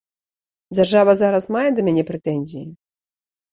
Дзяржава зараз мае да мяне прэтэнзіі?